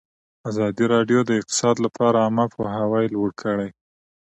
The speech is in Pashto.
ازادي راډیو د اقتصاد لپاره عامه پوهاوي لوړ کړی.